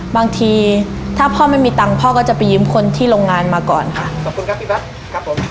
บางทีถ้าพ่อไม่มีตังค์พ่อก็จะไปยืมคนที่โรงงานมาก่อนค่ะ